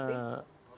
itu seru aja sih